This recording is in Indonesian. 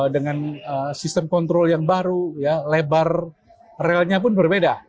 dengan sistem kontrol yang baru lebar relnya pun berbeda